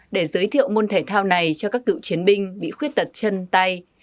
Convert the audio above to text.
để giới thiệu môn thể thao này cho các cựu chiến binh bị khuyết tật chân tay